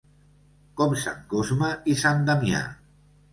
Com sant Cosme i sant Damià.